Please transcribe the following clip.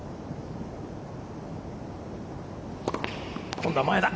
今度は前だ。